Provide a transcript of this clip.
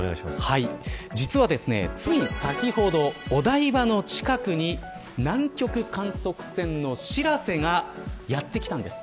実はつい先ほど、お台場の近くに南極観測船のしらせがやってきたんです。